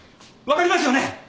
分かりますよね？